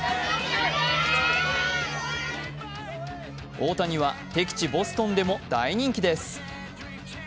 大谷は敵地・ボストンでも大人気です。